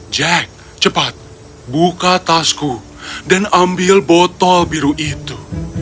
jack cepat buka tasku dan ambil botol biru itu